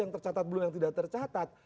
yang tercatat belum yang tidak tercatat